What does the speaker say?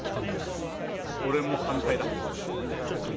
俺も反対だ。